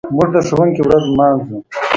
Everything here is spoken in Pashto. موږ د ښوونکي ورځ لمانځو.